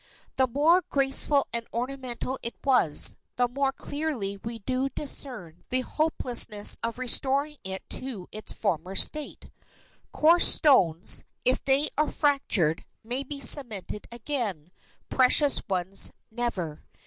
The more graceful and ornamental it was, the more clearly do we discern the hopelessness of restoring it to its former state. Coarse stones, if they are fractured, may be cemented again; precious ones never.